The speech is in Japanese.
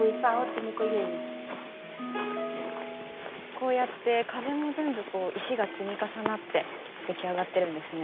こうやって壁も全部石が積み重なって出来上がっているんですね。